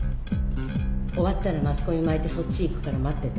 終わったらマスコミまいてそっち行くから待ってて。